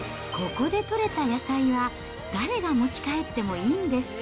ここで取れた野菜は、誰が持ち帰ってもいいんです。